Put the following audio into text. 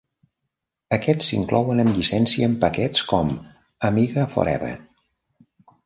Aquests s'inclouen amb llicència en paquets com Amiga Forever.